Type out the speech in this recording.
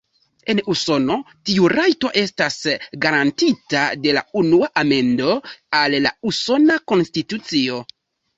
En Usono tiu rajto estas garantiita de la Unua Amendo al la Usona Konstitucio.